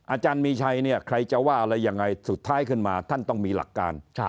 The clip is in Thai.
อาจารย์มีชัยเนี่ยใครจะว่าอะไรยังไงสุดท้ายขึ้นมาท่านต้องมีหลักการ